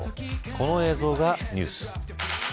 この映像がニュース。